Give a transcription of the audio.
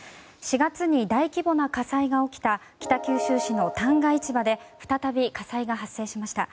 ４月に大規模な火災が起きた北九州市の旦過市場で再び火災が発生しました。